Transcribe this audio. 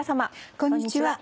こんにちは。